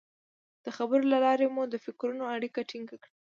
د خبرو له لارې مو د فکرونو اړیکه ټینګه کړه.